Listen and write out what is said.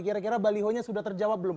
kira kira baliho nya sudah terjawab belum